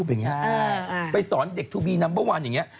เขายังไงเนี่ย